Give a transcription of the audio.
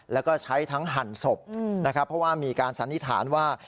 แล้วก็ใช้ทั้งหั่นศพนะครับเพราะว่ามีการสันนิษฐานว่า